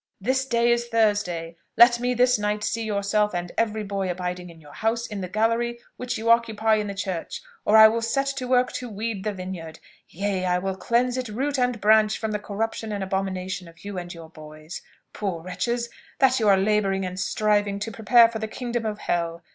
This day is Thursday; let me this night see yourself, and every boy abiding in your house, in the gallery which you occupy in the church, or I will set to work to weed the vineyard. Yea! I will cleanse it root and branch from the corruption and abomination of you and your boys. Poor wretches, that you are labouring and striving to prepare for the kingdom of hell!